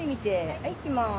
はいいきます。